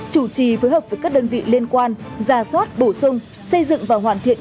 chủ trì phối hợp với các đơn vị liên quan ra soát bổ sung xây dựng và hoàn thiện